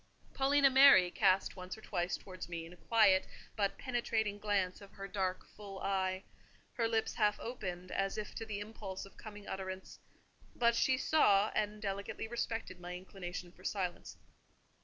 Paulina Mary cast once or twice towards me a quiet but penetrating glance of her dark, full eye; her lips half opened, as if to the impulse of coming utterance: but she saw and delicately respected my inclination for silence.